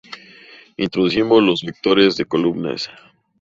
Introducimos los vectores de columnas.